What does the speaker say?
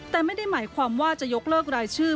แต่ไม่ได้หมายความว่าจะยกเลิกรายชื่อ